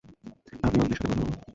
আভি, অদিতির সাথে কথা বল!